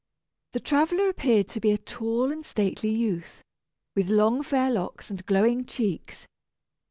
The traveller appeared to be a tall and stately youth, with long fair locks and glowing cheeks.